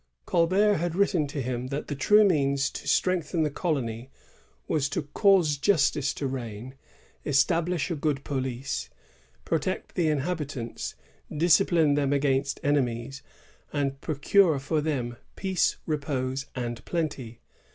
Colbert had written to him that the true means to strengthen the colony was to " cause justice to reign, establish a good poUce, protect the inhabitants, dis cipline them against enemies, and procure for them peace, repose, and plenty."